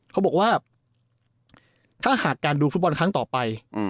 เขาบอกว่าถ้าหากการดูฟุตบอลครั้งต่อไป